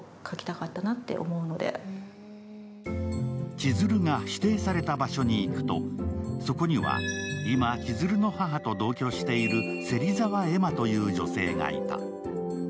千鶴が指定された場所に行くとそこには今、千鶴の母と同居している芹沢恵真という女性がいた。